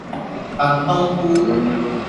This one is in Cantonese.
燉冬菇